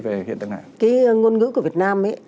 về hiện tượng này cái ngôn ngữ của việt nam ấy